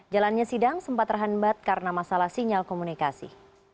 jalannya sidang sempat terhambat karena masalah sinyal komunikasi